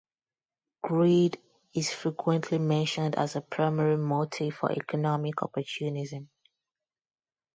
Greed is frequently mentioned as a primary motive for economic opportunism.